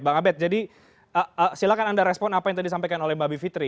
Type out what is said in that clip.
bang abed jadi silakan anda respon apa yang tadi disampaikan oleh mbak bivitri